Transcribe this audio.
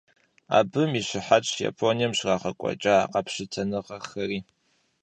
Абы и щыхьэтщ Японием щрагъэкӀуэкӀа къэпщытэныгъэхэри.